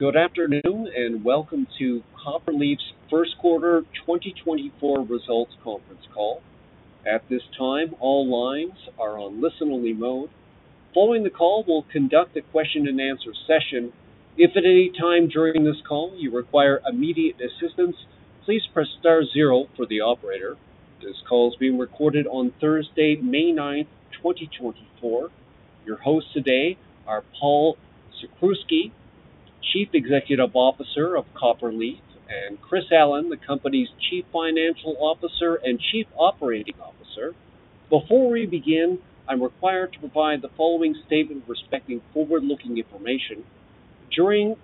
Good afternoon, and welcome to Copperleaf's First Quarter 2024 Results Conference Call. At this time, all lines are on listen-only mode. Following the call, we'll conduct a question and answer session. If at any time during this call you require immediate assistance, please press Star zero for the operator. This call is being recorded on Thursday, May 9, 2024. Your hosts today are Paul Sakrzewski, Chief Executive Officer of Copperleaf, and Chris Allen, the company's Chief Financial Officer and Chief Operating Officer. Before we begin, I'm required to provide the following statement respecting forward-looking information. During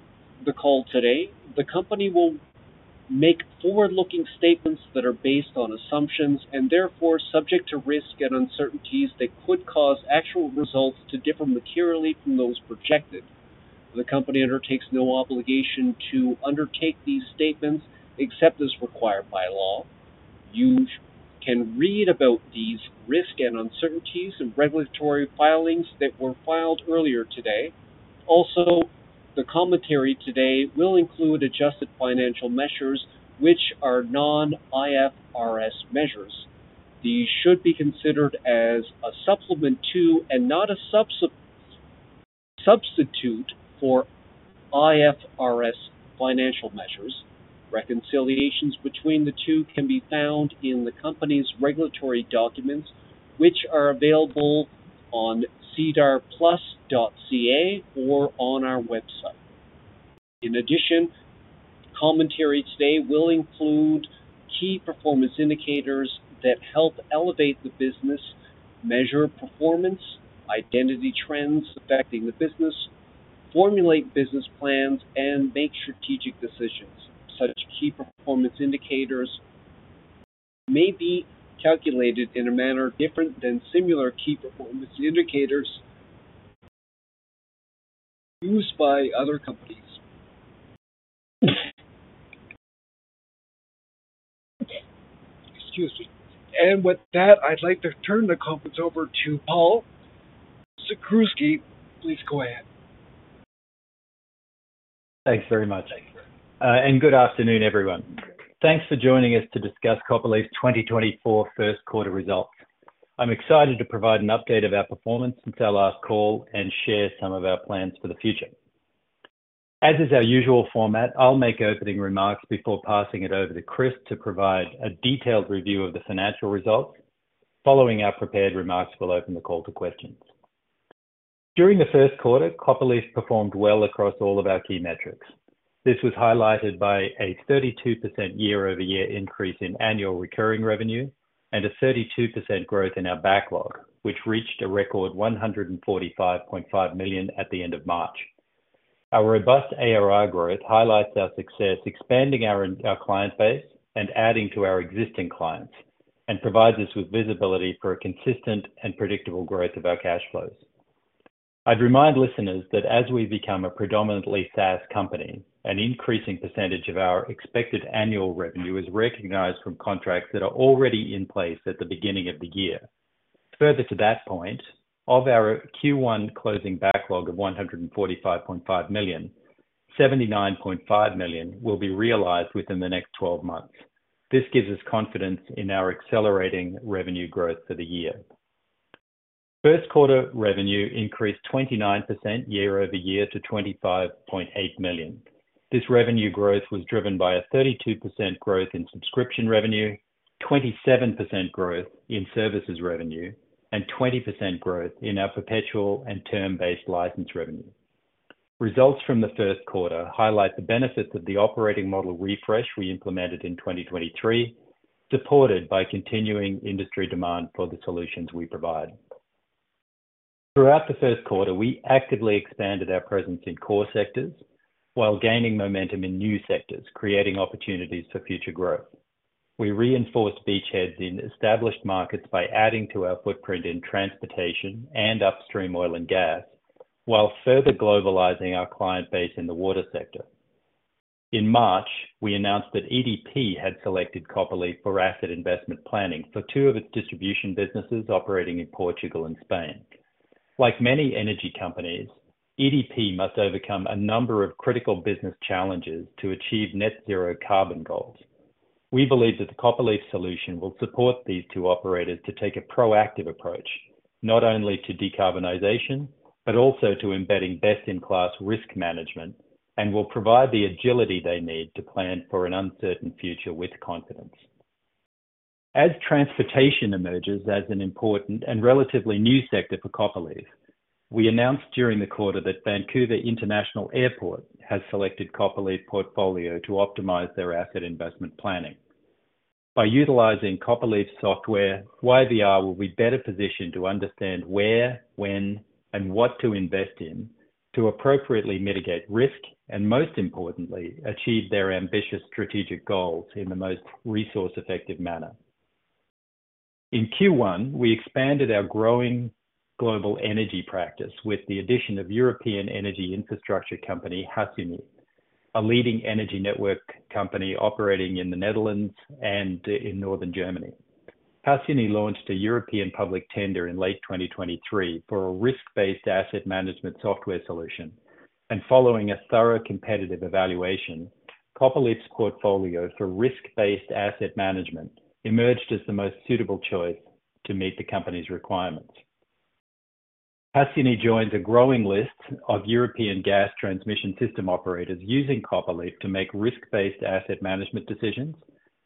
the call today, the company will make forward-looking statements that are based on assumptions and therefore subject to risks and uncertainties that could cause actual results to differ materially from those projected. The company undertakes no obligation to undertake these statements except as required by law. You can read about these risks and uncertainties in regulatory filings that were filed earlier today. Also, the commentary today will include adjusted financial measures, which are non-IFRS measures. These should be considered as a supplement to, and not a substitute for, IFRS financial measures. Reconciliations between the two can be found in the company's regulatory documents, which are available on SEDARplus.ca or on our website. In addition, commentary today will include key performance indicators that help elevate the business, measure performance, identify trends affecting the business, formulate business plans, and make strategic decisions. Such key performance indicators may be calculated in a manner different than similar key performance indicators used by other companies. Excuse me. And with that, I'd like to turn the conference over to Paul Sakrzewski. Please go ahead. Thanks very much. Good afternoon, everyone. Thanks for joining us to discuss Copperleaf's 2024 First Quarter Results. I'm excited to provide an update of our performance since our last call and share some of our plans for the future. As is our usual format, I'll make opening remarks before passing it over to Chris to provide a detailed review of the financial results. Following our prepared remarks, we'll open the call to questions. During the Q1, Copperleaf performed well across all of our key metrics. This was highlighted by a 32% year-over-year increase in annual recurring revenue and a 32% growth in our backlog, which reached a record 145.5 million at the end of March. Our robust ARR growth highlights our success expanding our client base and adding to our existing clients, and provides us with visibility for a consistent and predictable growth of our cash flows. I'd remind listeners that as we become a predominantly SaaS company, an increasing percentage of our expected annual revenue is recognized from contracts that are already in place at the beginning of the year. Further to that point, of our Q1 closing backlog of 145.5 million, 79.5 million will be realized within the next 12 months. This gives us confidence in our accelerating revenue growth for the year. Q1 revenue increased 29% year-over-year to 25.8 million. This revenue growth was driven by a 32% growth in subscription revenue, 27% growth in services revenue, and 20% growth in our perpetual and term-based license revenue. Results from the Q1 highlight the benefits of the operating model refresh we implemented in 2023, supported by continuing industry demand for the solutions we provide. Throughout the Q1, we actively expanded our presence in core sectors while gaining momentum in new sectors, creating opportunities for future growth. We reinforced beachheads in established markets by adding to our footprint in transportation and upstream oil and gas, while further globalizing our client base in the water sector. In March, we announced that EDP had selected Copperleaf for asset investment planning for two of its distribution businesses operating in Portugal and Spain. Like many energy companies, EDP must overcome a number of critical business challenges to achieve net zero carbon goals. We believe that the Copperleaf solution will support these two operators to take a proactive approach, not only to decarbonization, but also to embedding best-in-class risk management, and will provide the agility they need to plan for an uncertain future with confidence. As transportation emerges as an important and relatively new sector for Copperleaf, we announced during the quarter that Vancouver International Airport has selected Copperleaf Portfolio to optimize their asset investment planning. By utilizing Copperleaf software, YVR will be better positioned to understand where, when, and what to invest in to appropriately mitigate risk, and most importantly, achieve their ambitious strategic goals in the most resource-effective manner. In Q1, we expanded our growing global energy practice with the addition of European energy infrastructure company Gasunie, a leading energy network company operating in the Netherlands and in northern Germany. Gasunie launched a European public tender in late 2023 for a risk-based asset management software solution, and following a thorough competitive evaluation, Copperleaf's portfolio for risk-based asset management emerged as the most suitable choice to meet the company's requirements. Gasunie joins a growing list of European gas transmission system operators using Copperleaf to make risk-based asset management decisions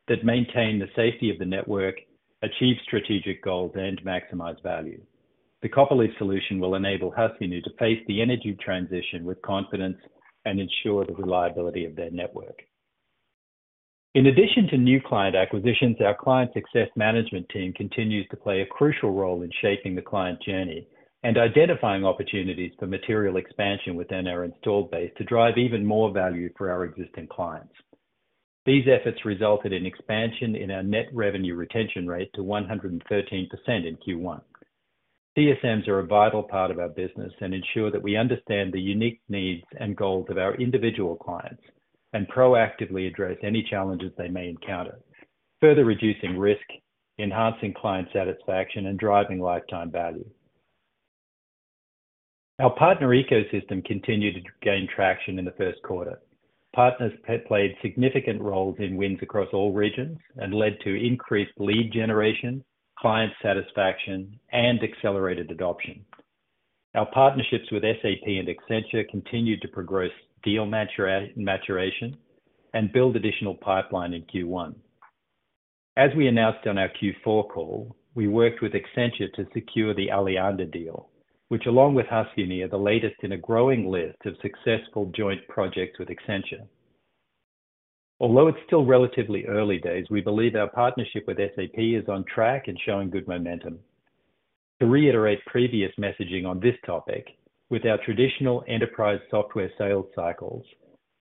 that maintain the safety of the network, achieve strategic goals, and maximize value. The Copperleaf solution will enable Gasunie to face the energy transition with confidence and ensure the reliability of their network. In addition to new client acquisitions, our client success management team continues to play a crucial role in shaping the client journey and identifying opportunities for material expansion within our installed base to drive even more value for our existing clients. These efforts resulted in expansion in our net revenue retention rate to 113% in Q1. CSMs are a vital part of our business and ensure that we understand the unique needs and goals of our individual clients and proactively address any challenges they may encounter, further reducing risk, enhancing client satisfaction, and driving lifetime value. Our partner ecosystem continued to gain traction in the Q1. Partners played significant roles in wins across all regions and led to increased lead generation, client satisfaction, and accelerated adoption. Our partnerships with SAP and Accenture continued to progress deal maturation and build additional pipeline in Q1. As we announced on our Q4 call, we worked with Accenture to secure the Alliander deal, which, along with Gasunie, are the latest in a growing list of successful joint projects with Accenture. Although it's still relatively early days, we believe our partnership with SAP is on track and showing good momentum. To reiterate previous messaging on this topic, with our traditional enterprise software sales cycles,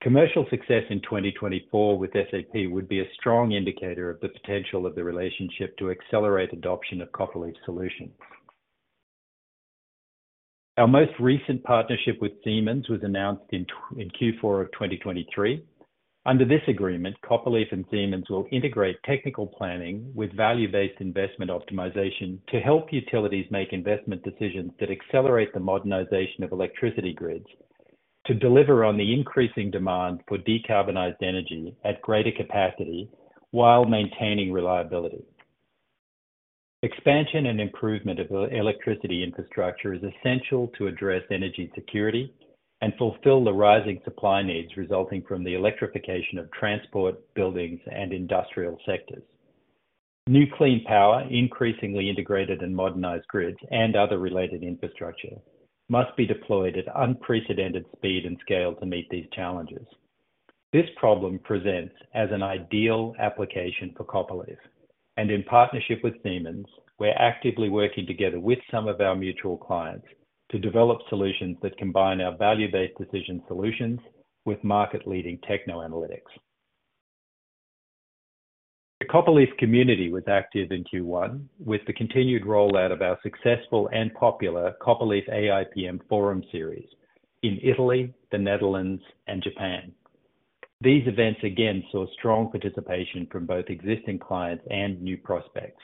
commercial success in 2024 with SAP would be a strong indicator of the potential of the relationship to accelerate adoption of Copperleaf solutions. Our most recent partnership with Siemens was announced in Q4 of 2023. Under this agreement, Copperleaf and Siemens will integrate technical planning with value-based investment optimization to help utilities make investment decisions that accelerate the modernization of electricity grids to deliver on the increasing demand for decarbonized energy at greater capacity while maintaining reliability. Expansion and improvement of electricity infrastructure is essential to address energy security and fulfill the rising supply needs resulting from the electrification of transport, buildings, and industrial sectors. New clean power, increasingly integrated and modernized grids, and other related infrastructure must be deployed at unprecedented speed and scale to meet these challenges. This problem presents as an ideal application for Copperleaf, and in partnership with Siemens, we're actively working together with some of our mutual clients to develop solutions that combine our value-based decision solutions with market-leading techno analytics. The Copperleaf community was active in Q1, with the continued rollout of our successful and popular Copperleaf AIPM Forum series in Italy, the Netherlands, and Japan. These events again saw strong participation from both existing clients and new prospects.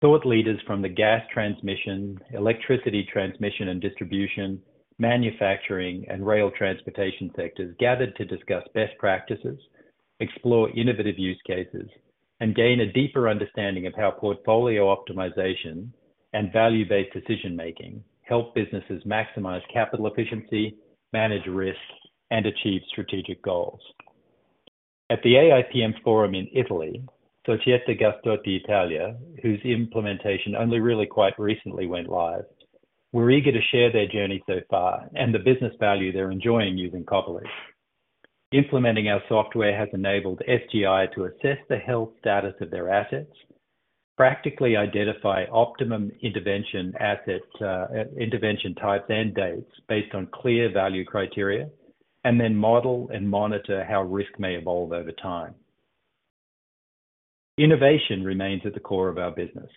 Thought leaders from the gas transmission, electricity transmission and distribution, manufacturing, and rail transportation sectors gathered to discuss best practices, explore innovative use cases, and gain a deeper understanding of how portfolio optimization and value-based decision-making help businesses maximize capital efficiency, manage risks, and achieve strategic goals. At the AIPM Forum in Italy, Snam Rete Gas, whose implementation only really quite recently went live, were eager to share their journey so far and the business value they're enjoying using Copperleaf. Implementing our software has enabled SGI to assess the health status of their assets, practically identify optimum intervention assets, intervention types and dates based on clear value criteria, and then model and monitor how risk may evolve over time. Innovation remains at the core of our business.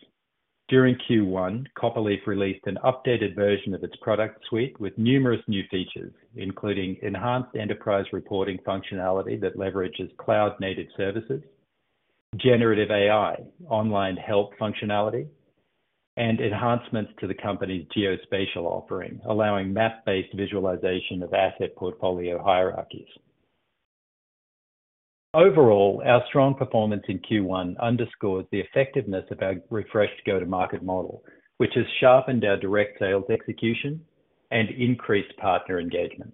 During Q1, Copperleaf released an updated version of its product suite with numerous new features, including enhanced enterprise reporting functionality that leverages cloud-native services, generative AI, online help functionality, and enhancements to the company's geospatial offering, allowing map-based visualization of asset portfolio hierarchies. Overall, our strong performance in Q1 underscores the effectiveness of our refreshed go-to-market model, which has sharpened our direct sales execution and increased partner engagement.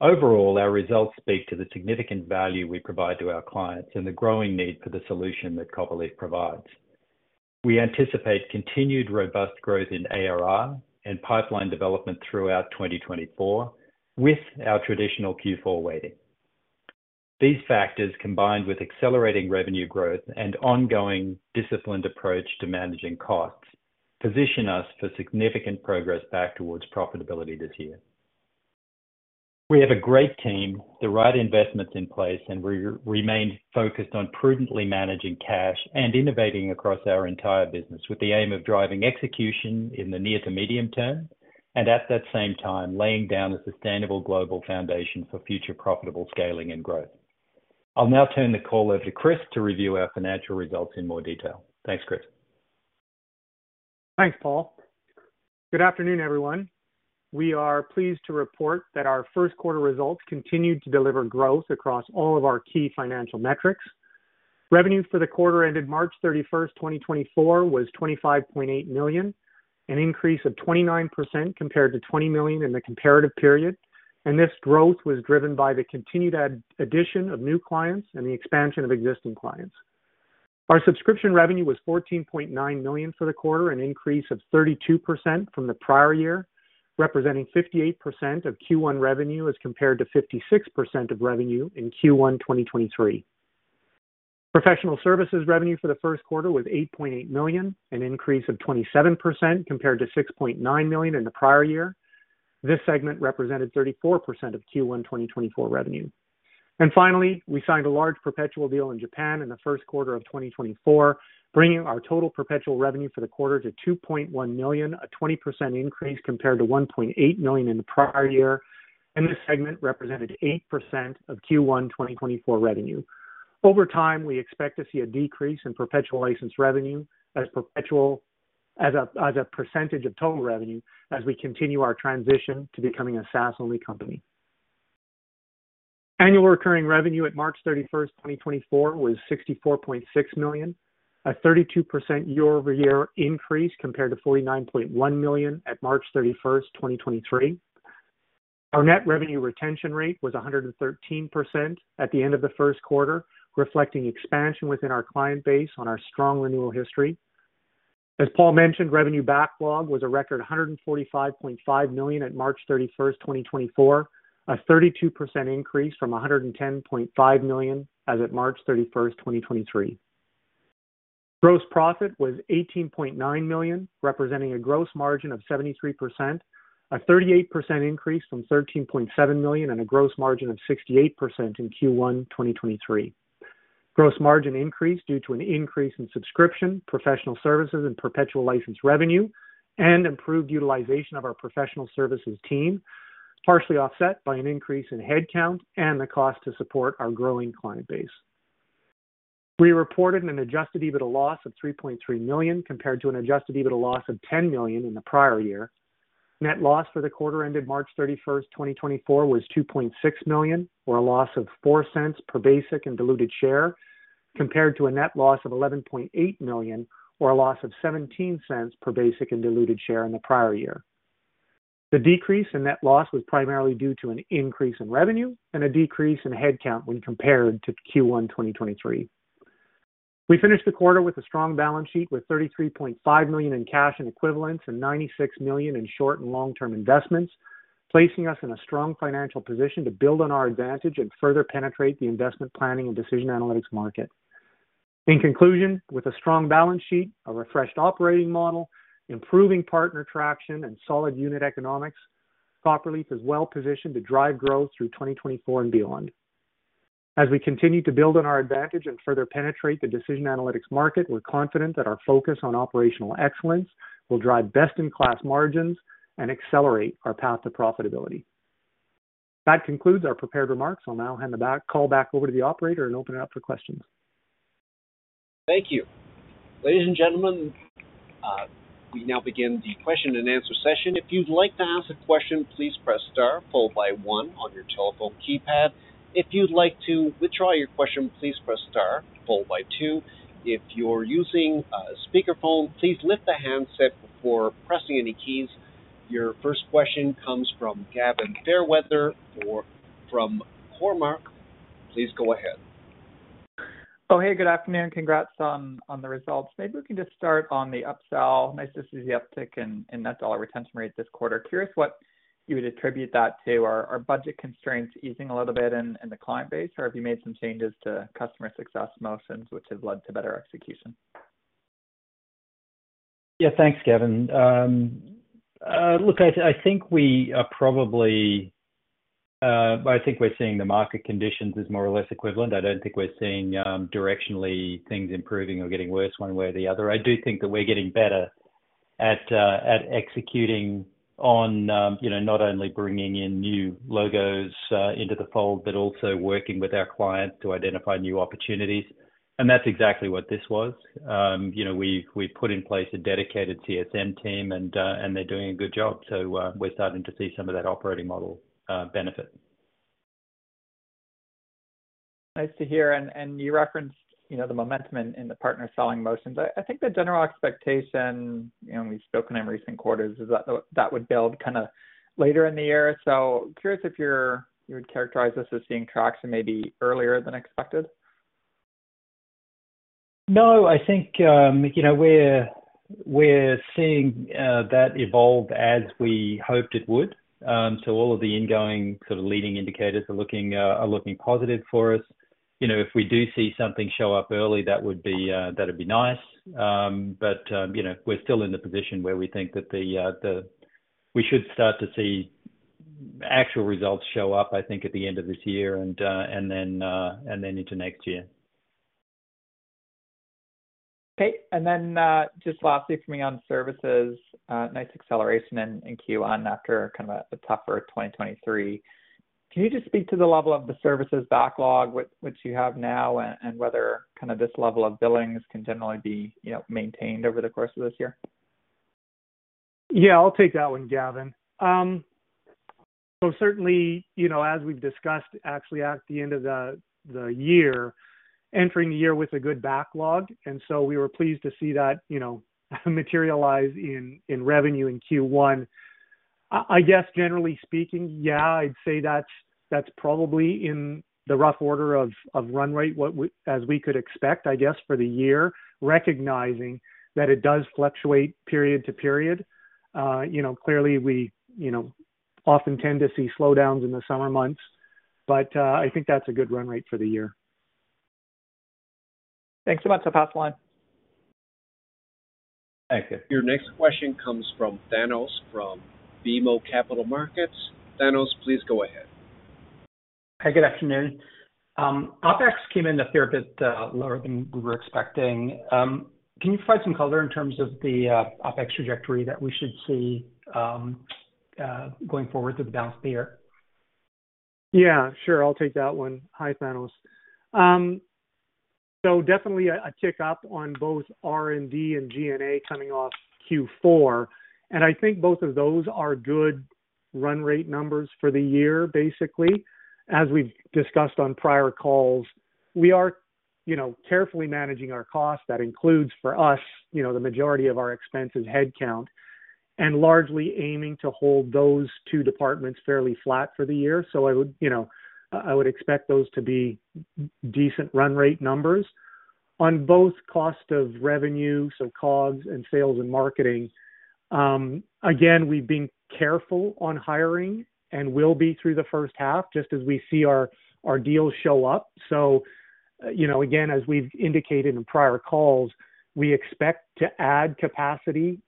Overall, our results speak to the significant value we provide to our clients and the growing need for the solution that Copperleaf provides. We anticipate continued robust growth in ARR and pipeline development throughout 2024, with our traditional Q4 weighting. These factors, combined with accelerating revenue growth and ongoing disciplined approach to managing costs, position us for significant progress back towards profitability this year. We have a great team, the right investments in place, and we remain focused on prudently managing cash and innovating across our entire business, with the aim of driving execution in the near to medium term.... and at that same time, laying down a sustainable global foundation for future profitable scaling and growth. I'll now turn the call over to Chris to review our financial results in more detail. Thanks, Chris. Thanks, Paul. Good afternoon, everyone. We are pleased to report that our Q1 results continued to deliver growth across all of our key financial metrics. Revenue for the quarter ended March 31, 2024, was 25.8 million, an increase of 29% compared to 20 million in the comparative period, and this growth was driven by the continued addition of new clients and the expansion of existing clients. Our subscription revenue was 14.9 million for the quarter, an increase of 32% from the prior year, representing 58% of Q1 revenue, as compared to 56% of revenue in Q1 2023. Professional services revenue for the Q1 was 8.8 million, an increase of 27% compared to 6.9 million in the prior year. This segment represented 34% of Q1 2024 revenue. Finally, we signed a large perpetual deal in Japan in the Q1 of 2024, bringing our total perpetual revenue for the quarter to 2.1 million, a 20% increase compared to 1.8 million in the prior year, and this segment represented 8% of Q1 2024 revenue. Over time, we expect to see a decrease in perpetual license revenue as a percentage of total revenue as we continue our transition to becoming a SaaS-only company. Annual recurring revenue at March 31, 2024, was 64.6 million, a 32% year-over-year increase compared to 49.1 million at March 31, 2023. Our net revenue retention rate was 113% at the end of the Q1, reflecting expansion within our client base on our strong renewal history. As Paul mentioned, revenue backlog was a record 145.5 million at March 31, 2024, a 32% increase from 110.5 million as at March 31, 2023. Gross profit was 18.9 million, representing a gross margin of 73%, a 38% increase from 13.7 million and a gross margin of 68% in Q1 2023. Gross margin increased due to an increase in subscription, professional services, and perpetual license revenue, and improved utilization of our professional services team, partially offset by an increase in headcount and the cost to support our growing client base. We reported an adjusted EBITDA loss of 3.3 million, compared to an adjusted EBITDA loss of 10 million in the prior year. Net loss for the quarter ended March 31, 2024, was 2.6 million, or a loss of 0.04 per basic and diluted share, compared to a net loss of 11.8 million, or a loss of 0.17 per basic and diluted share in the prior year. The decrease in net loss was primarily due to an increase in revenue and a decrease in headcount when compared to Q1, 2023. We finished the quarter with a strong balance sheet, with 33.5 million in cash and equivalents, and 96 million in short and long-term investments, placing us in a strong financial position to build on our advantage and further penetrate the investment planning and decision analytics market. In conclusion, with a strong balance sheet, a refreshed operating model, improving partner traction, and solid unit economics, Copperleaf is well positioned to drive growth through 2024 and beyond. As we continue to build on our advantage and further penetrate the decision analytics market, we're confident that our focus on operational excellence will drive best-in-class margins and accelerate our path to profitability. That concludes our prepared remarks. I'll now hand the call back over to the operator and open it up for questions. Thank you. Ladies and gentlemen, we now begin the question and answer session. If you'd like to ask a question, please press Star followed by one on your telephone keypad. If you'd like to withdraw your question, please press Star followed by two. If you're using a speakerphone, please lift the handset before pressing any keys. Your first question comes from Gavin Fairweather, or from Cormark. Please go ahead. Oh, hey, good afternoon. Congrats on the results. Maybe we can just start on the upsell. Nice to see the uptick in net dollar retention rate this quarter. Curious what you would attribute that to. Are budget constraints easing a little bit in the client base, or have you made some changes to customer success motions which have led to better execution? Yeah, thanks, Gavin. Look, I think we are probably... I think we're seeing the market conditions as more or less equivalent. I don't think we're seeing, directionally things improving or getting worse one way or the other. I do think that we're getting better at, at executing on, you know, not only bringing in new logos, into the fold, but also working with our clients to identify new opportunities. And that's exactly what this was. You know, we put in place a dedicated CSM team, and they're doing a good job. So, we're starting to see some of that operating model, benefit. Nice to hear. And you referenced, you know, the momentum in the partner selling motions. I think the general expectation, you know, we've spoken in recent quarters, is that that would build kind of later in the year. So curious if you would characterize this as seeing traction maybe earlier than expected? No, I think, you know, we're seeing that evolve as we hoped it would. So all of the ingoing sort of leading indicators are looking positive for us. You know, if we do see something show up early, that would be, that'd be nice. But, you know, we're still in the position where we think that we should start to see actual results show up, I think, at the end of this year and then into next year. Okay, and then, just lastly for me on services, nice acceleration in Q1 after kind of a tougher 2023. Can you just speak to the level of the services backlog, which you have now, and whether kind of this level of billings can generally be, you know, maintained over the course of this year? Yeah, I'll take that one, Gavin. So certainly, you know, as we've discussed, actually at the end of the year, entering the year with a good backlog, and so we were pleased to see that, you know, materialize in revenue in Q1. I guess generally speaking, yeah, I'd say that's probably in the rough order of run rate, what we -- as we could expect, I guess, for the year, recognizing that it does fluctuate period to period. You know, clearly we, you know, often tend to see slowdowns in the summer months, but I think that's a good run rate for the year. Thanks so much. I'll pass the line. Thank you. Your next question comes from Thanos, from BMO Capital Markets. Thanos, please go ahead. Hi, good afternoon. OpEx came in a fair bit lower than we were expecting. Can you provide some color in terms of the OpEx trajectory that we should see going forward through the balance of the year? Yeah, sure. I'll take that one. Hi, Thanos. So definitely a tick up on both R&D and G&A coming off Q4, and I think both of those are good run rate numbers for the year, basically. As we've discussed on prior calls, we are, you know, carefully managing our costs. That includes, for us, you know, the majority of our expenses, headcount, and largely aiming to hold those two departments fairly flat for the year. So I would, you know, I would expect those to be decent run rate numbers. On both cost of revenue, so COGS and sales and marketing, again, we've been careful on hiring and will be through the first half, just as we see our deals show up. You know, again, as we've indicated in prior calls, we expect to add capacity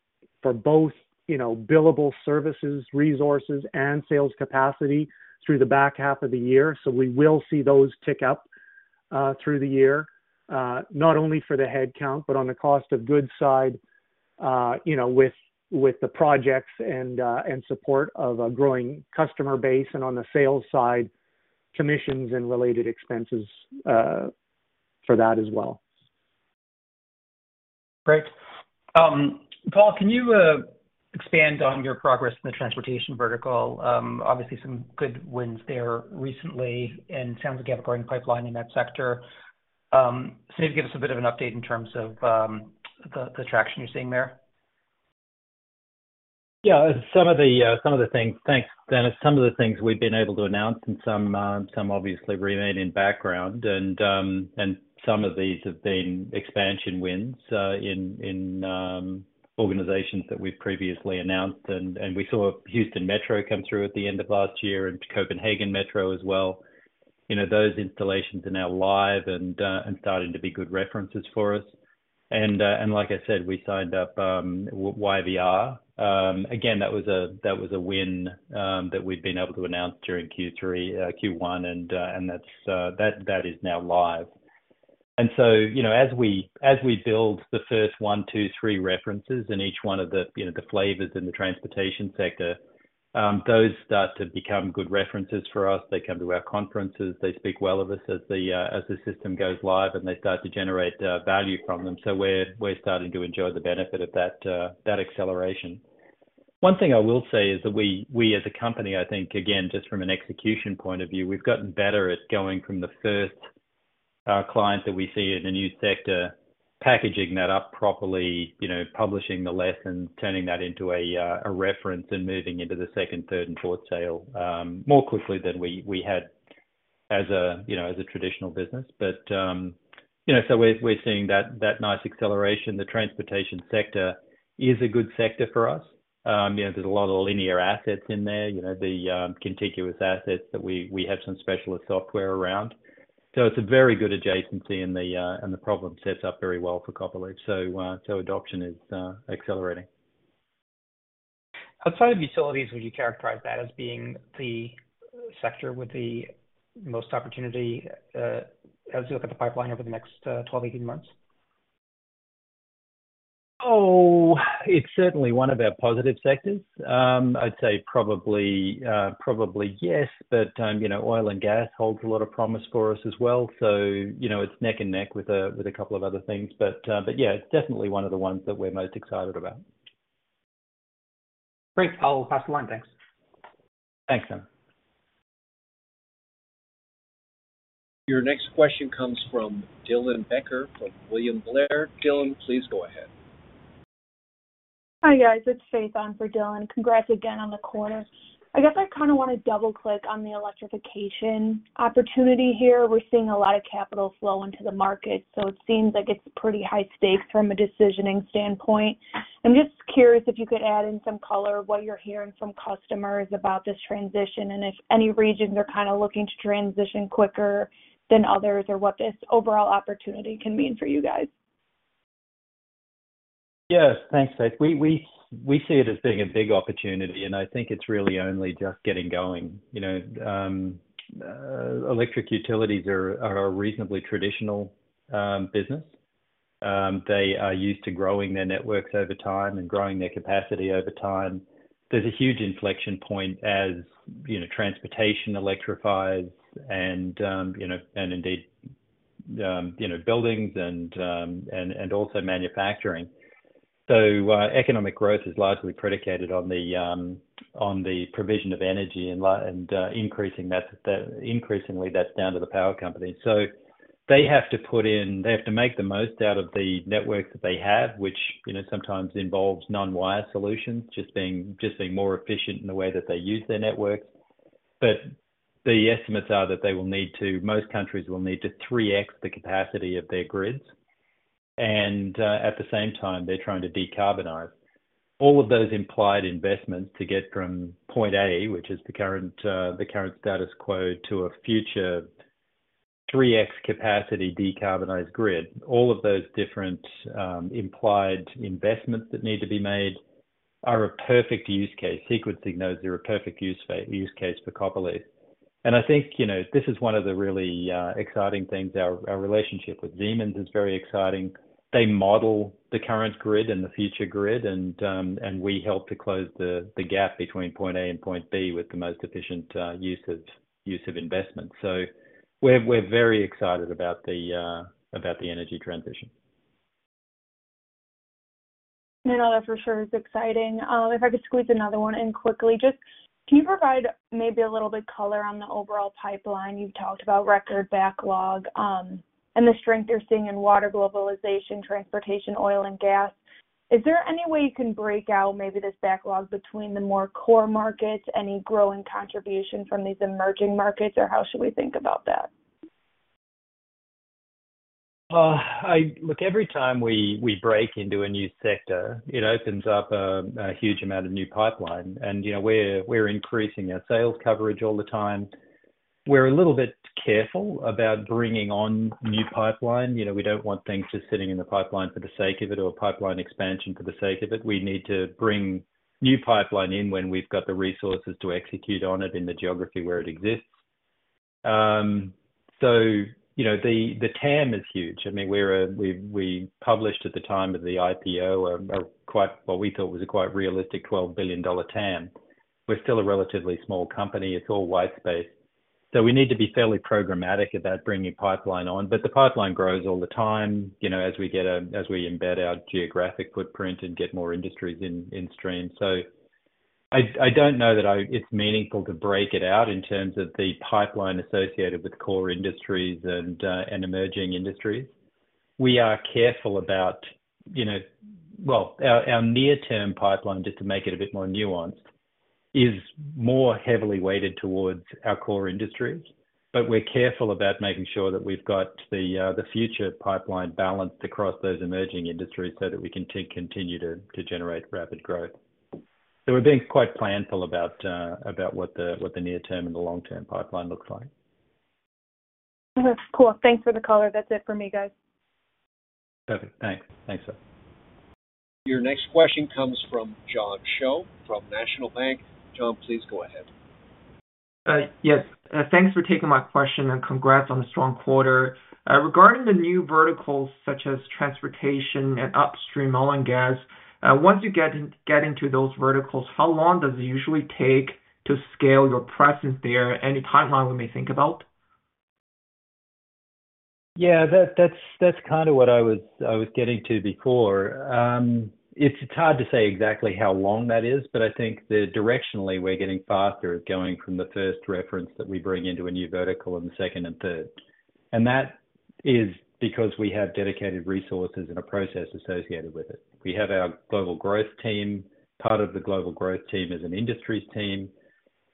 for both, you know, billable services, resources, and sales capacity through the back half of the year. So we will see those tick up, through the year, not only for the headcount, but on the cost of goods side, you know, with, with the projects and, and support of a growing customer base, and on the sales side, commissions and related expenses, for that as well. Great. Paul, can you expand on your progress in the transportation vertical? Obviously some good wins there recently, and it sounds like you have a growing pipeline in that sector. So can you give us a bit of an update in terms of the traction you're seeing there? Yeah, some of the things... Thanks. Thanos, some of the things we've been able to announce and some obviously remain in background, and some of these have been expansion wins in organizations that we've previously announced. We saw Houston Metro come through at the end of last year and Copenhagen Metro as well. You know, those installations are now live and starting to be good references for us. And like I said, we signed up YVR. Again, that was a win that we've been able to announce during Q3, Q1, and that is now live. So, you know, as we, as we build the first one, two, three references in each one of the, you know, the flavors in the transportation sector, those start to become good references for us. They come to our conferences, they speak well of us as the, as the system goes live and they start to generate value from them, so we're starting to enjoy the benefit of that acceleration. One thing I will say is that we as a company, I think, again, just from an execution point of view, we've gotten better at going from the first client that we see in a new sector, packaging that up properly, you know, publishing the lessons, turning that into a reference, and moving into the second, third, and fourth sale more quickly than we had as a traditional business, but you know, we're seeing that nice acceleration. The transportation sector is a good sector for us. You know, there's a lot of linear assets in there, you know, the contiguous assets that we have some specialist software around. It's a very good adjacency, and the problem sets up very well for Copperleaf, so adoption is accelerating. Outside of utilities, would you characterize that as being the sector with the most opportunity, as you look at the pipeline over the next 12 to 18 months? Oh, it's certainly one of our positive sectors. I'd say probably yes, but, you know, oil and gas holds a lot of promise for us as well, so, you know, it's neck and neck with a couple of other things but yeah, it's definitely one of the ones that we're most excited about. Great. I'll pass the line. Thanks. Thanks, Thanos. Your next question comes from Dylan Becker, from William Blair. Dylan, please go ahead. Hi, guys. It's Faith on for Dylan. Congrats again on the quarter. I guess I want to double-click on the electrification opportunity here. We're seeing a lot of capital flow into the market, so it seems like it's pretty high stakes from a decisioning standpoint. I'm just curious if you could add in some color, what you're hearing from customers about this transition, and if any regions are looking to transition quicker than others, or what this overall opportunity can mean for you guys? Yes, thanks, Faith. We see it as being a big opportunity, and I think it's really only just getting going. You know, electric utilities are a reasonably traditional business. They are used to growing their networks over time and growing their capacity over time. There's a huge inflection point as, you know, transportation electrifies, and indeed, you know, buildings and also manufacturing. Economic growth is largely predicated on the provision of energy and increasingly, that's down to the power company, so they have to make the most out of the network that they have, which, you know, sometimes involves non-wire solutions, just being more efficient in the way that they use their networks. The estimates are that they will need to most countries will need to 3x the capacity of their grids, and at the same time, they're trying to decarbonize. All of those implied investments to get from point A, which is the current status quo, to a future 3x capacity decarbonized grid. All of those different implied investments that need to be made are a perfect use case. Those scenarios are a perfect use case for Copperleaf. I think, you know, this is one of the really exciting things. Our relationship with Siemens is very exciting. They model the current grid and the future grid, and we help to close the gap between point A and point B with the most efficient use of investment, so we're very excited about the energy transition. You know, that for sure is exciting. If I could squeeze another one in quickly. Just, can you provide maybe a little bit color on the overall pipeline? You've talked about record backlog, and the strength you're seeing in water, globalization, transportation, oil and gas. Is there any way you can break out maybe this backlog between the more core markets, any growing contribution from these emerging markets, or how should we think about that? Look, every time we break into a new sector, it opens up a huge amount of new pipeline. You know, we're increasing our sales coverage all the time. We're a little bit careful about bringing on new pipeline. You know, we don't want things just sitting in the pipeline for the sake of it or a pipeline expansion for the sake of it. We need to bring new pipeline in when we've got the resources to execute on it in the geography where it exists. So, you know, the TAM is huge. I mean, we published at the time of the IPO a quite, what we thought was a quite realistic 12 billion dollar TAM. We're still a relatively small company. It's all wide space, so we need to be fairly programmatic about bringing pipeline on but the pipeline grows all the time, you know, as we embed our geographic footprint and get more industries in stream. I don't know that it's meaningful to break it out in terms of the pipeline associated with core industries and emerging industries. We are careful about, you know, well, our near-term pipeline, just to make it a bit more nuanced, is more heavily weighted towards our core industries, but we're careful about making sure that we've got the future pipeline balanced across those emerging industries so that we can continue to generate rapid growth so we're being quite planful about what the near-term and the long-term pipeline looks like. Cool. Thanks for the color. That's it for me, guys. Perfect. Thanks. Thanks, Faith. Your next question comes from John Cho from National Bank. John, please go ahead. Yes, thanks for taking my question, and congrats on the strong quarter. Regarding the new verticals such as transportation and upstream oil and gas, once you get in, get into those verticals, how long does it usually take to scale your presence there? Any timeline we may think about? Yeah, that's what I was getting to before. It's hard to say exactly how long that is, but I think that directionally we're getting faster at going from the first reference that we bring into a new vertical and the second and third. That is because we have dedicated resources and a process associated with it. We have our global growth team. Part of the global growth team is an industries team.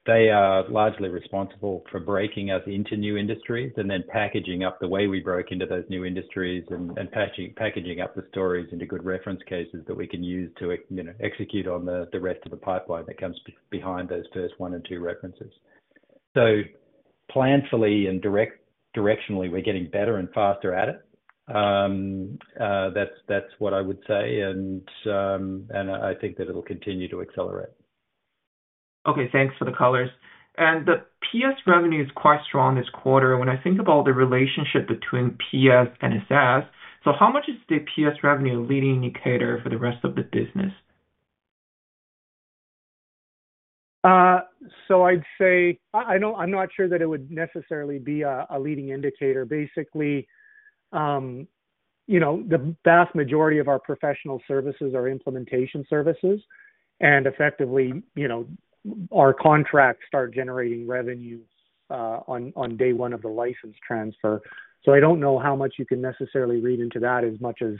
They are largely responsible for breaking us into new industries and then packaging up the way we broke into those new industries and packaging up the stories into good reference cases that we can use to, you know, execute on the rest of the pipeline that comes behind those first one and two references, so thankfully and directionally, we're getting better and faster at it. That's what I would say, and I think that it'll continue to accelerate. Okay, thanks for the colors. The PS revenue is quite strong this quarter. When I think about the relationship between PS and SS, so how much is the PS revenue a leading indicator for the rest of the business? I'd say I don't.. I'm not sure that it would necessarily be a leading indicator. Basically, you know, the vast majority of our professional services are implementation services, and effectively, you know, our contracts start generating revenues on day 1 of the license transfer so I don't know how much you can necessarily read into that as much as,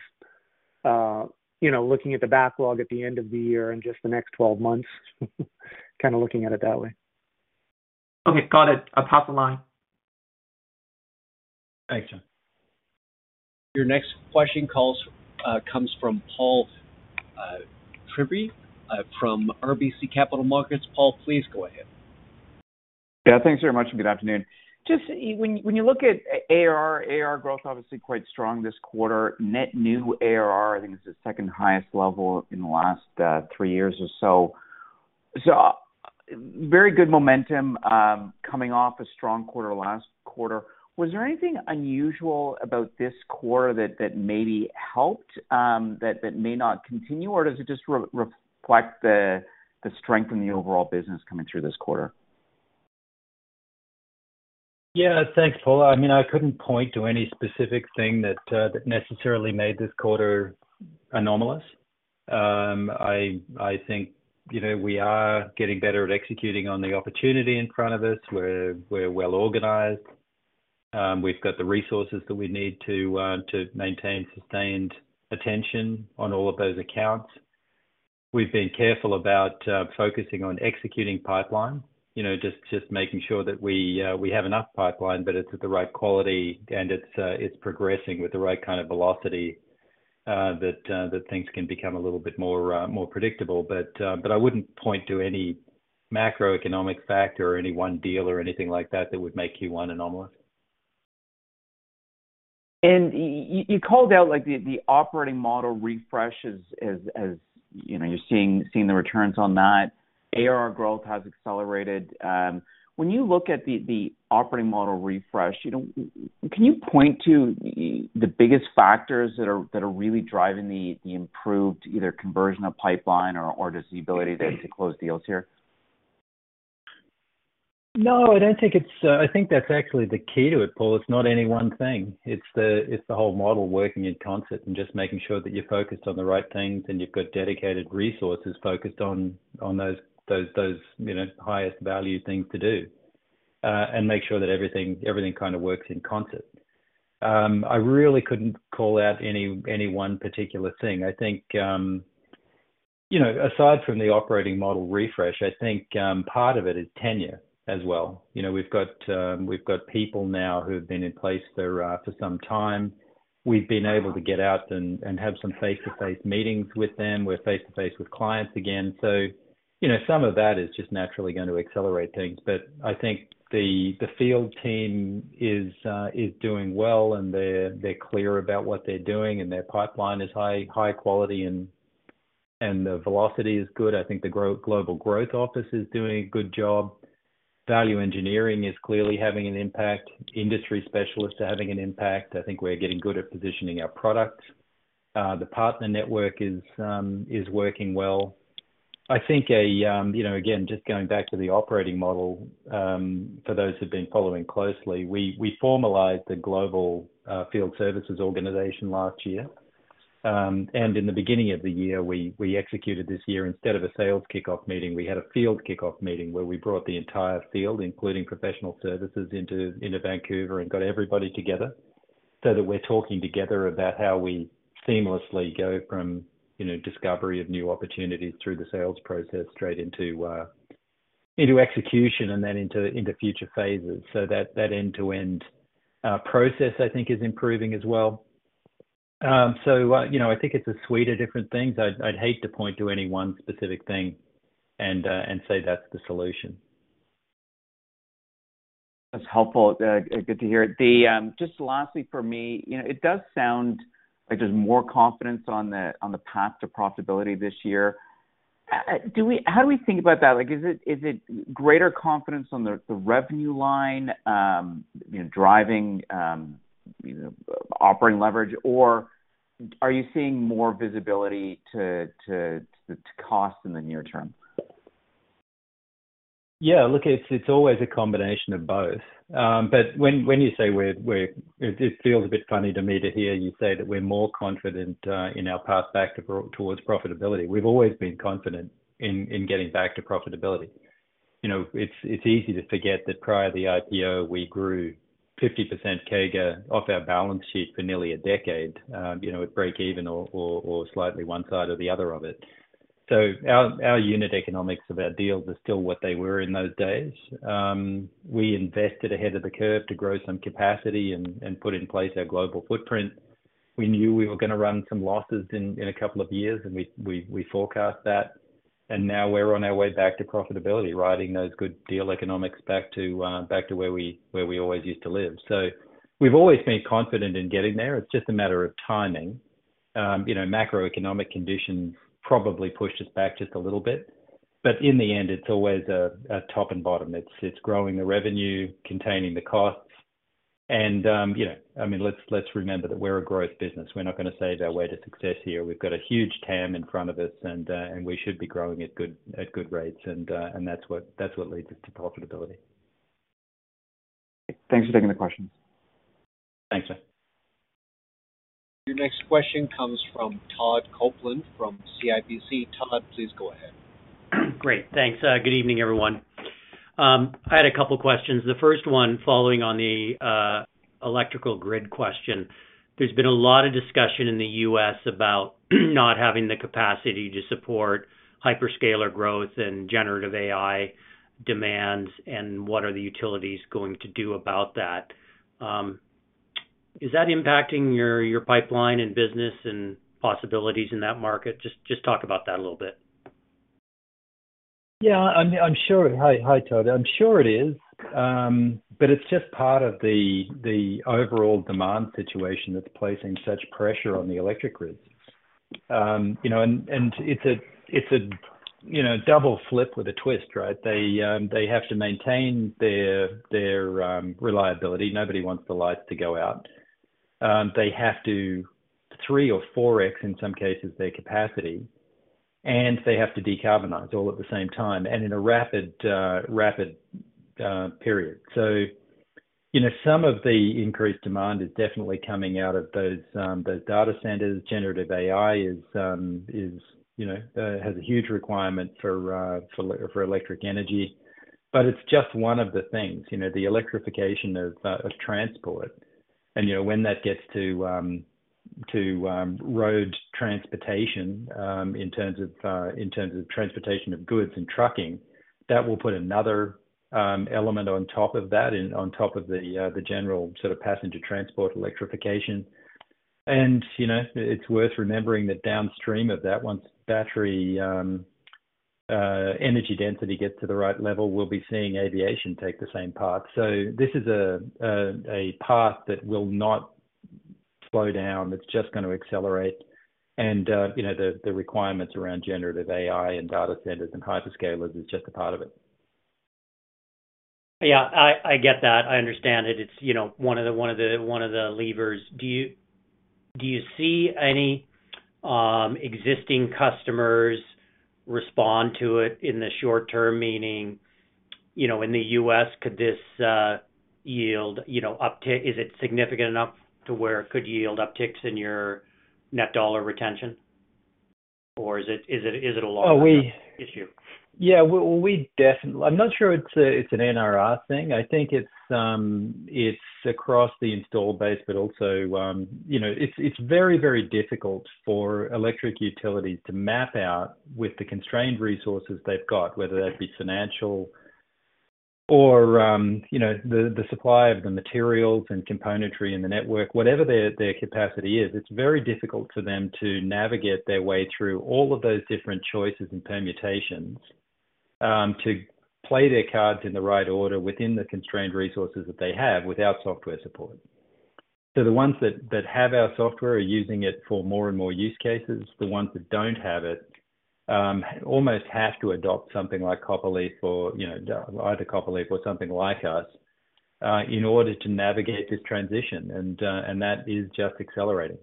you know, looking at the backlog at the end of the year and just the next 12 months, looking at it that way. Okay, got it. I'll pass the line. Thanks, John. Your next question comes from Paul Treiber from RBC Capital Markets. Paul, please go ahead. Yeah, thanks very much, and good afternoon. Just when, when you look at ARR growth, obviously quite strong this quarter. Net new ARR, I think, is the second highest level in the last three years or so. So, very good momentum, coming off a strong quarter last quarter. Was there anything unusual about this quarter that maybe helped, that may not continue, or does it just reflect the strength in the overall business coming through this quarter? Yeah, thanks, Paul. I mean, I couldn't point to any specific thing that necessarily made this quarter anomalous. I think, you know, we are getting better at executing on the opportunity in front of us. We're well organized. We've got the resources that we need to maintain sustained attention on all of those accounts. We've been careful about, focusing on executing pipeline, you know, just making sure that we have enough pipeline, but it's at the right quality and it's progressing with the right velocity, that things can become a little bit more predictable but I wouldn't point to any macroeconomic factor or any one deal or anything like that would make Q1 anomalous. You called out, like, the operating model refresh as, you know, you're seeing the returns on that. ARR growth has accelerated. When you look at the operating model refresh, you know, can you point to the biggest factors that are really driving the improved, either conversion of pipeline or just the ability to close deals here? No, I don't think it's. I think that's actually the key to it, Paul. It's not any one thing. It's the whole model working in concert and just making sure that you're focused on the right things, and you've got dedicated resources focused on those, you know, highest value things to do and make sure that everything works in concert. I really couldn't call out any one particular thing. I think, you know, aside from the operating model refresh, I think part of it is tenure as well. You know, we've got people now who have been in place for some time. We've been able to get out and have some face-to-face meetings with them. We're face-to-face with clients again. So, you know, some of that is just naturally going to accelerate things but I think the field team is doing well, and they're clear about what they're doing, and their pipeline is high quality, and the velocity is good. I think the global growth office is doing a good job. Value engineering is clearly having an impact. Industry specialists are having an impact. I think we're getting good at positioning our products. The partner network is working well. I think, you know, again, just going back to the operating model, for those who've been following closely, we formalized the global field services organization last year. In the beginning of the year, we executed this year, instead of a sales kickoff meeting, we had a field kickoff meeting where we brought the entire field, including professional services, into Vancouver and got everybody together, so that we're talking together about how we seamlessly go from, you know, discovery of new opportunities through the sales process, straight into execution and then into future phases. So that end-to-end process, I think, is improving as well, so you know, I think it's a suite of different things. I'd hate to point to any one specific thing and say that's the solution. That's helpful. Good to hear. Just lastly for me, you know, it does sound like there's more confidence on the path to profitability this year. How do we think about that? Like, is it greater confidence on the revenue line, you know, driving, you know, operating leverage? Or are you seeing more visibility to cost in the near term? Yeah, look, it's always a combination of both but when you say we're... It feels a bit funny to me to hear you say that we're more confident in our path back to, towards profitability. We've always been confident in getting back to profitability. You know, it's easy to forget that prior to the IPO, we grew 50% CAGR off our balance sheet for nearly a decade. You know, at break even or slightly one side or the other of it. So our unit economics of our deals are still what they were in those days. We invested ahead of the curve to grow some capacity and put in place our global footprint. We knew we were gonna run some losses in a couple of years, and we forecast that, and now we're on our way back to profitability, riding those good deal economics back to back to where we always used to live. We've always been confident in getting there. It's just a matter of timing. You know, macroeconomic conditions probably pushed us back just a little bit, but in the end, it's always a top and bottom. It's growing the revenue, containing the costs, and you know, I mean, let's remember that we're a growth business. We're not going to save our way to success here. We've got a huge TAM in front of us, and and we should be growing at good rates and that's what leads us to profitability. Thanks for taking the questions. Thanks, sir. Your next question comes from Todd Coupland from CIBC. Todd, please go ahead. Great. Thanks. Good evening, everyone. I had a couple questions. The first one, following on the electrical grid question. There's been a lot of discussion in the US about not having the capacity to support hyperscaler growth and generative AI demands, and what are the utilities going to do about that? Is that impacting your, your pipeline and business and possibilities in that market? Just, just talk about that a little bit. Yeah, I'm sure. Hi, Todd. I'm sure it is, but it's just part of the overall demand situation that's placing such pressure on the electric grids. You know, and it's a double flip with a twist, right? They have to maintain their reliability. Nobody wants the lights to go out. They have to 3 or 4x, in some cases, their capacity, and they have to decarbonize all at the same time, and in a rapid period, so, you know, some of the increased demand is definitely coming out of those data centers. Generative AI is, you know, has a huge requirement for electric energy, but it's just one of the things, you know, the electrification of transport. You know, when that gets to road transportation, in terms of transportation of goods and trucking, that will put another element on top of that, in on top of the general sort of passenger transport electrification and you know, it's worth remembering that downstream of that, once battery energy density gets to the right level, we'll be seeing aviation take the same path. So this is a path that will not slow down. It's just gonna accelerate. You know, the requirements around generative AI and data centers and hyperscalers is just a part of it. Yeah, I get that. I understand it. It's, you know, one of the levers. Do you see any existing customers respond to it in the short term? Meaning, you know, in the US could this yield, you know, uptick? Is it significant enough to where it could yield upticks in your net dollar retention, or is it a longer issue? Yeah, we definitely... I'm not sure it's an NRR thing. I think it's across the installed base, but also, you know, it's very, very difficult for electric utilities to map out with the constrained resources they've got, whether that be financial or, you know, the supply of the materials and componentry and the network. Whatever their capacity is, it's very difficult for them to navigate their way through all of those different choices and permutations to play their cards in the right order within the constrained resources that they have, without software support. The ones that have our software are using it for more and more use cases. The ones that don't have it almost have to adopt something like Copperleaf or, you know, either Copperleaf or something like us in order to navigate this transition and that is just accelerating.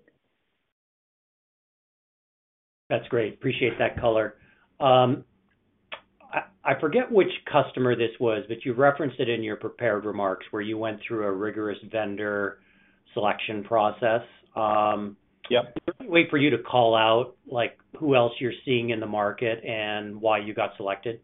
That's great. Appreciate that color. I forget which customer this was, but you referenced it in your prepared remarks, where you went through a rigorous vendor selection process. Yep. Is there a way for you to call out, like, who else you're seeing in the market and why you got selected?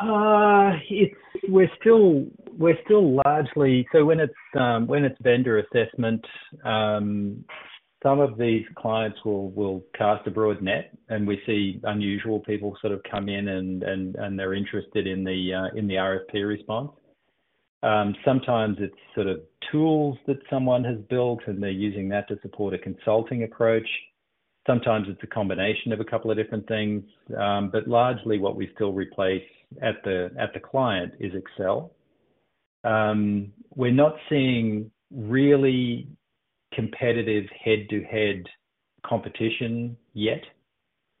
It's- we're still largely- so when it's vendor assessment, some of these clients will cast a broad net, and we see unusual people come in, and they're interested in the RFP response. Sometimes it's tools that someone has built, and they're using that to support a consulting approach. Sometimes it's a combination of a couple of different things but largely what we still replace at the client is Excel. We're not seeing really competitive head-to-head competition yet.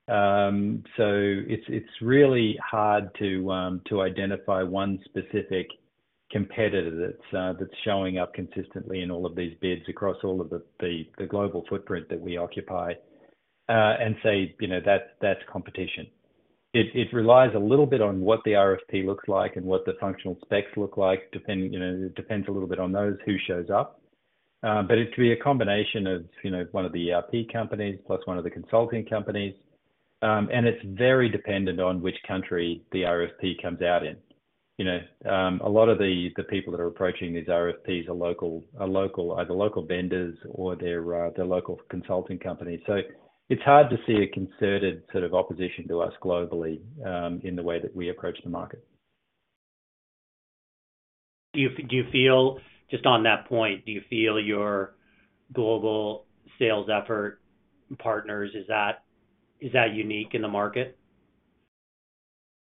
It's really hard to identify one specific competitor that's showing up consistently in all of these bids across all of the, the global footprint that we occupy, and say, you know, that's competition. It relies a little bit on what the RFP looks like and what the functional specs look like. You know, it depends a little bit on those who shows up, but it could be a combination of, you know, one of the ERP companies plus one of the consulting companies and it's very dependent on which country the RFP comes out in. You know, a lot of the people that are approaching these RFPs are local, either local vendors or they're local consulting companies so it's hard to see a concerted sort of opposition to us globally, in the way that we approach the market. Do you feel, just on that point, your global sales effort partners, is that unique in the market?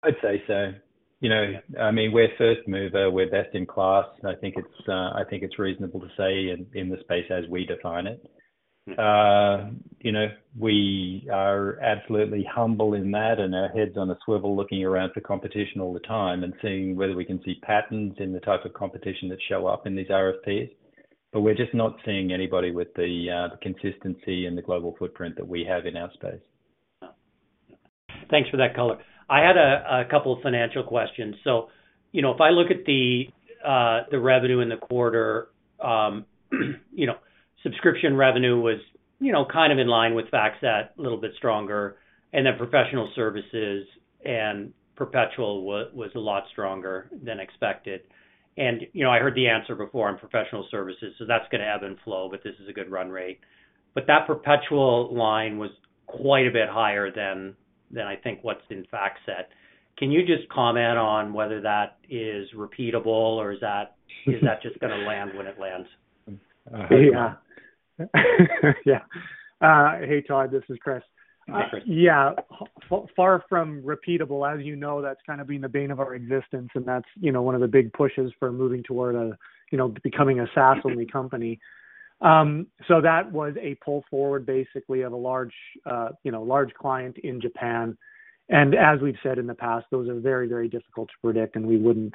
I'd say so. You know, I mean, we're first mover, we're best in class. I think it's reasonable to say in the space as we define it. You know, we are absolutely humble in that and our heads on a swivel, looking around for competition all the time and seeing whether we can see patterns in the type of competition that show up in these RFPs but we're just not seeing anybody with the consistency and the global footprint that we have in our space. Thanks for that color. I had a couple of financial questions, so, you know, if I look at the revenue in the quarter, you know, subscription revenue was, you know, in line with FactSet, a little bit stronger, and then professional services and perpetual was a lot stronger than expected. You know, I heard the answer before on professional services, so that's going to ebb and flow, but this is a good run rate, but that perpetual line was quite a bit higher than I think what's in FactSet. Can you just comment on whether that is repeatable, or is that just going to land when it lands? Yeah. Hey, Todd, this is Chris. Hi, Chris. Yeah, far from repeatable. As you know, that's been the bane of our existence, and that's, you know, one of the big pushes for moving toward a, you know, becoming a SaaS-only company so that was a pull forward, basically, of a large, you know, large client in Japan and as we've said in the past, those are very, very difficult to predict, and we wouldn't,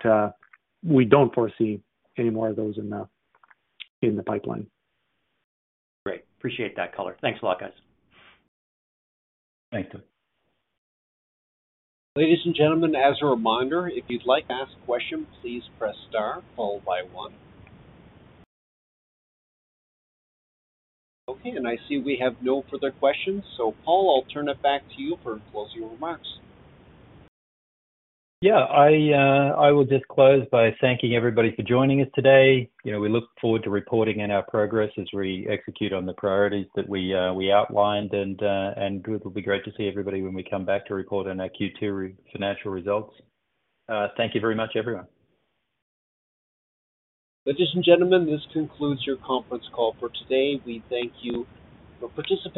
we don't foresee any more of those in the pipeline. Great. Appreciate that color. Thanks a lot, guys. Thank you. Ladies and gentlemen, as a reminder, if you'd like to ask a question, please press Star followed by one. Okay, and I see we have no further questions. Paul, I'll turn it back to you for closing remarks. Yeah, I will just close by thanking everybody for joining us today. You know, we look forward to reporting on our progress as we execute on the priorities that we outlined. It will be great to see everybody when we come back to report on our Q2 financial results. Thank you very much, everyone. Ladies and gentlemen, this concludes your conference call for today. We thank you for participating.